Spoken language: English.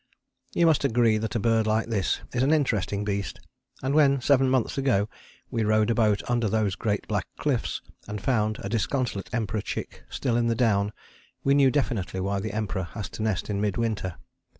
You must agree that a bird like this is an interesting beast, and when, seven months ago, we rowed a boat under those great black cliffs, and found a disconsolate Emperor chick still in the down, we knew definitely why the Emperor has to nest in mid winter.